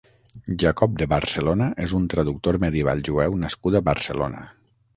Jacob de Barcelona és un traductor medieval jueu nascut a Barcelona.